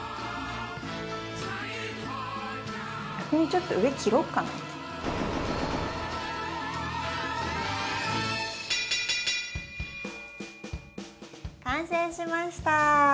逆にちょっと上切ろっかな？完成しました！